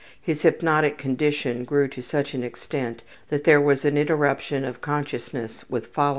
His hypnotic condition grew to such an extent that there was an interruption of consciousness with following amnesia.